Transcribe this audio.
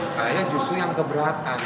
saya justru yang keberatan